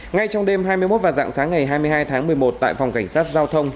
ngay trong đêm hai mươi một và dạng sáng ngày hai mươi hai tháng một mươi một tại phòng cảnh sát giao thông